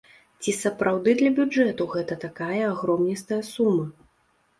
Ці сапраўды для бюджэту гэта такая агромністая сума?